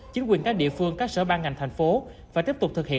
chính quyền các địa phương các sở ban ngành thành phố phải tiếp tục thực hiện